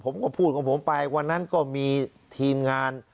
ผมก็พูดของผมไปวันนั้นก็มีทีมงาน